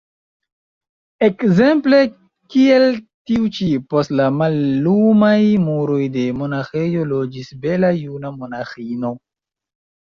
Ekzemple kiel tiu ĉi: post la mallumaj muroj de monaĥejo loĝis bela juna monaĥino.